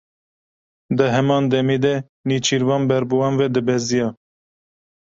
Di heman demê de nêçîrvan ber bi wan ve dibeziya.